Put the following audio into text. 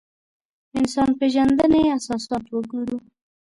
انسان پېژندنې اساسات وګورو.